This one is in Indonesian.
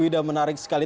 wida menarik sekali